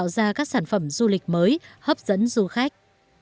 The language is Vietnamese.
dân dù khách